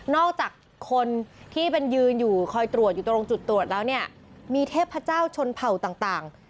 จากคนที่เป็นยืนอยู่คอยตรวจอยู่ตรงจุดตรวจแล้วเนี่ยมีเทพเจ้าชนเผ่าต่าง